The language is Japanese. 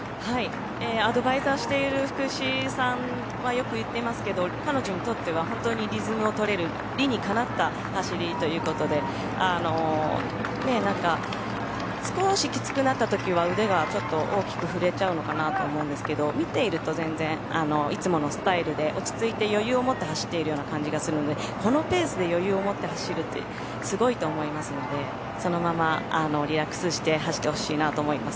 アドバイザーしている福士さんはよく言っていますけど彼女にとってはリズムのとれる理にかなった走りということで少しきつくなったときは腕ちょっと大きく振れちゃうのかなと思うんですけど見ていると全然いつものスタイルで落ち着いて余裕を持って走っている感じがするのでこのペースで余裕を持って走るってすごいと思いますのでそのままリラックスして走ってほしいなと思います。